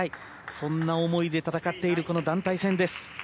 そんな思いで戦っている団体戦です。